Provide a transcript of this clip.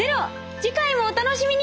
次回もお楽しみに！